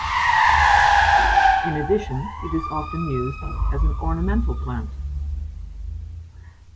In addition, it is often used as an ornamental plant.